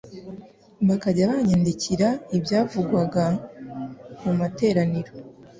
bakajya banyandikira ibyavugwaga mu materaniro.